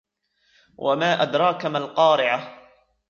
وما أدراك ما القارعة